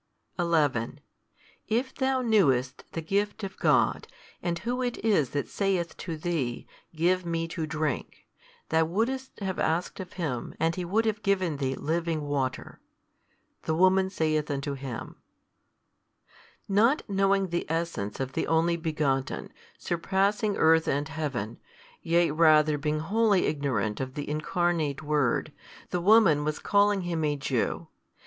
11 If thou knewest the gift of God, and Who It is That saith to thee, Give Me to drink; thou wouldest have asked of Him, and He would have given thee living water. The woman saith unto Him, Not knowing the Essence of the Only Begotten, surpassing earth and heaven, yea rather being wholly ignorant of the Incarnate Word, the woman was calling Him a Jew.